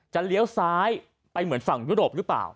เลี้ยวซ้ายไปเหมือนฝั่งยุโรปหรือเปล่า